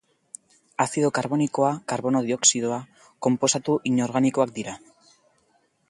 Azido karbonikoa, karbono dioxidoa... konposatu inorganikoak dira.